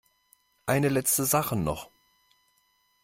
Eine letzte Sache noch.